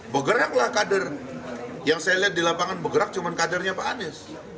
bergeraklah kader yang saya lihat di lapangan bergerak cuma kadernya pak anies